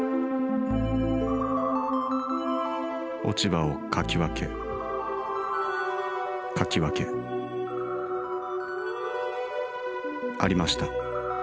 落ち葉をかき分けかき分けありました。